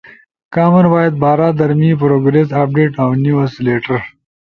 کامن وائس بارا در می پروگریس اپڈیٹ اؤ نیوز لیٹر